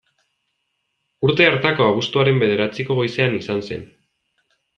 Urte hartako abuztuaren bederatziko goizean izan zen.